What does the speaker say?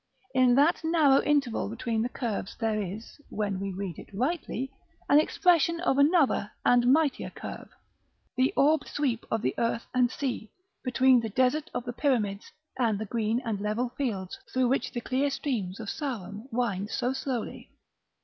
In that narrow interval between the curves there is, when we read it rightly, an expression of another and mightier curve, the orbed sweep of the earth and sea, between the desert of the Pyramids, and the green and level fields through which the clear streams of Sarum wind so slowly.